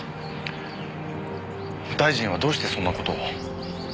大臣はどうしてそんな事を？